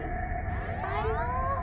あの。